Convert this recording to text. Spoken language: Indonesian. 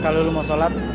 kalau lu mau sholat